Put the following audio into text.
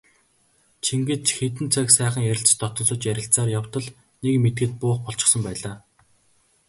Чингэж хэдэн цаг сайхан ярилцан дотносож ярилцсаар явтал нэг мэдэхэд буух болчихсон байлаа.